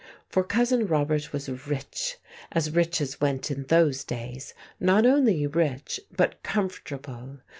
For Cousin Robert was rich, as riches went in those days: not only rich, but comfortable.